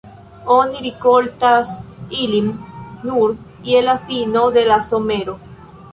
Oni rikoltas ilin nur je la fino de la somero.